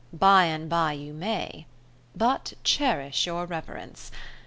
By and by you may ... but cherish your reverence.